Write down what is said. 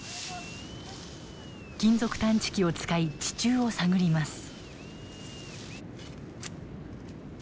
金属探知機を使い地中を探ります。